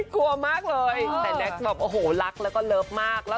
ใช่นะกะต่อด้วยเนี่ยคะ